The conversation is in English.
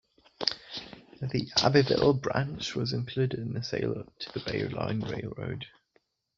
The Abbeville branch was included in the sale to the Bay Line Railroad.